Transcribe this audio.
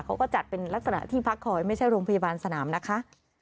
เขาก็จัดเป็นลักษณะที่พักคอยไม่ใช่โรงพยาบาลสนามนะคะ